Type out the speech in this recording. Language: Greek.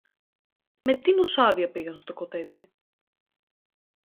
Με τίνος άδεια πήγαν στο κοτέτσι;